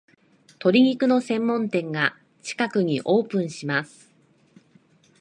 鶏肉の専門店が近くにオープンします